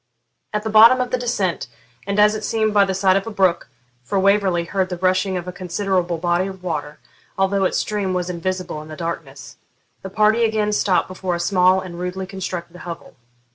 At the bottom of the descent, and, as it seemed, by the side of a brook (for Waverley heard the rushing of a considerable body of water, although its stream was invisible in the darkness), the party again stopped before a small and rudely constructed hovel.